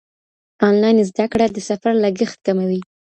انلاين زده کړه د سفر لګښت کموي.